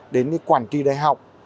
đến quản trị đại học